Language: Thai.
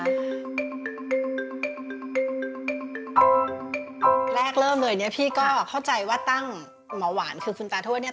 แรกเริ่มเลยเนี่ยพี่ก็เข้าใจว่าตั้งหมอหวานคือคุณตาทวดเนี่ย